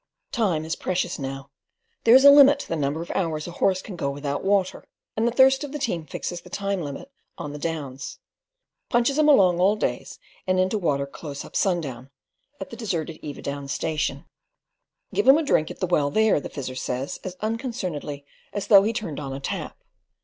Time is precious now. There is a limit to the number of hours a horse can go without water, and the thirst of the team fixes the time limit on the Downs. "Punches 'em along all day, and into water close up sundown," at the deserted Eva Downs station. "Give 'em a drink at the well there," the Fizzer says as unconcernedly as though he turned on a tap.